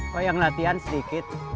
kok yang latihan sedikit